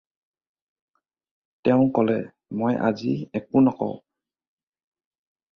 তেওঁ ক'লে- "মই আজি একো নকওঁ।"